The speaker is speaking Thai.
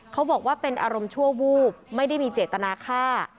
เขาบอกว่าเป็นอารมณ์ชั่ววูบไม่ได้มีเจตนาฆ่า